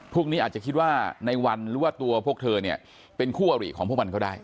พวกนี้อาจจะคิดว่าในวันหรือว่าตัวพวกเธอเนี่ยเป็นคู่อริของพวกมันก็ได้